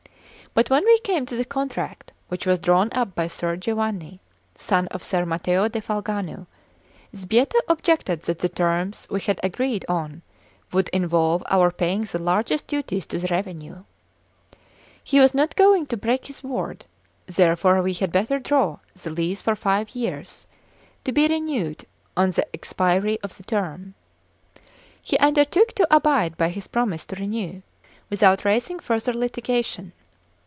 But when we came to the contract, which was drawn up by Ser Giovanni, son of Ser Matteo da Falgano, Sbietta objected that the terms we had agreed on would involve our paying the largest duties to the revenue. He was not going to break his word; therefore we had better draw the lease for five years, to be renewed on the expiry of the term. He undertook to abide by his promise to renew, without raising further litigation.